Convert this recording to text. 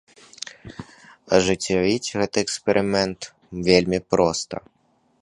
Ажыццявіць гэты эксперымент вельмі проста.